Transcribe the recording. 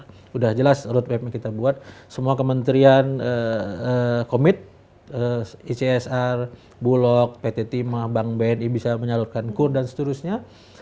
sudah jelas roadmapnya kita buat semua kementerian komit icsr bulog pt timah bank bni bisa menyalurkan kur dan seterusnya